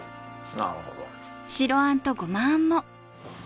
なるほど。